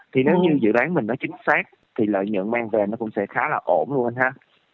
thì nếu như dự đoán mình nó chính xác thì lợi nhượng mang về nó cũng sẽ khá là ổn luôn anh ha